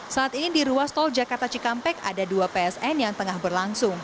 saat ini di ruas tol jakarta cikampek ada dua psn yang tengah berlangsung